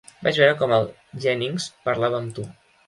Vaig veure com el Jennings parlava amb tu.